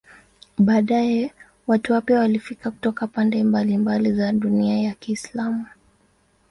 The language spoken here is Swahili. Baadaye watu wapya walifika kutoka pande mbalimbali za dunia ya Kiislamu.